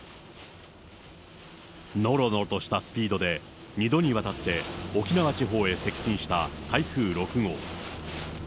のろのろとしたスピードで、２度にわたって沖縄地方へ接近した台風６号。